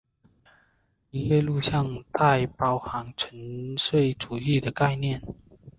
音乐录像带包含纯粹主义的概念。